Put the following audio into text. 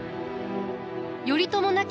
頼朝亡き